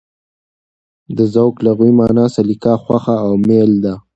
د ذوق لغوي مانا: سلیقه، خوښه او مېل ده.